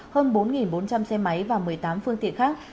hơn bốn bốn trăm linh xe máy và một mươi tám phương tiện khác